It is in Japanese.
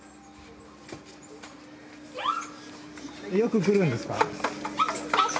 よく来るんですか？